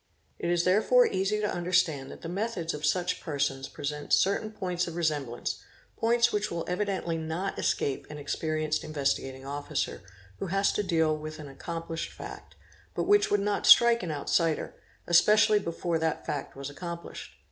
It is therefore easy to understand that the methods of such persons 'present certain points of resemblance, points which will evidently not escape an experienced Investigating Officer, who has to deal with an accomplished fact, but which would not strike an outsider—especially 1 before that fact was accomplished.